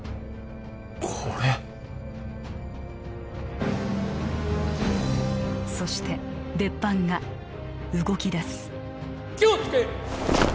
これそして別班が動きだす気をつけ！